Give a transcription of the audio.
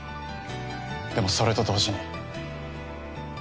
でもそれと同時に。